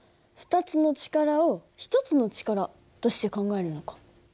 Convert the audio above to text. ２つの力を１つの力として考えるのか。